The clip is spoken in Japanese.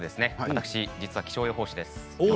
私、実は気象予報士です。